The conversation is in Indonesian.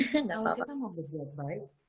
kalau kita mau berbuat baik